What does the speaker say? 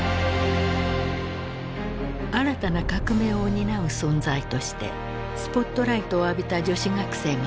新たな革命を担う存在としてスポットライトを浴びた女子学生がいる。